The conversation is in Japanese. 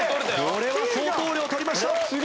これは相当量取りました！